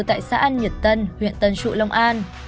tại xã an nhật tân huyện tân trụ long an